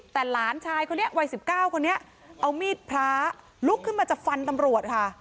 แต่หลานชายคนนี้วัย๑๙คนนี้เอามีดพระลุกขึ้นมาจะฟันตำรวจค่ะ